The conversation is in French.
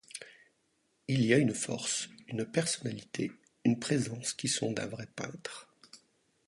Il y a une force, une personnalité, une présence qui sont d'un vrai peintre...